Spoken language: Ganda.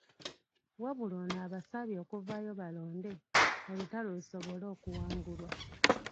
Wabula ono abasabye okuvaayo balonde, olutalo lusobole okuwangulwa.